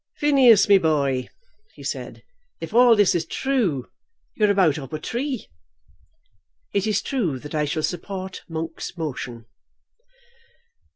"Phineas, me boy," he said, "if all this is thrue, you're about up a tree." "It is true that I shall support Monk's motion."